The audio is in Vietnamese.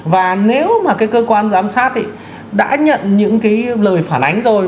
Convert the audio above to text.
và nếu mà cái cơ quan giám sát ấy đã nhận những cái lời phản ánh rồi